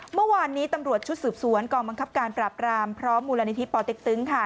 เมื่อวานนี้ตำรวจชุดสืบสวนกองบังคับการปราบรามพร้อมมูลนิธิปอเต็กตึงค่ะ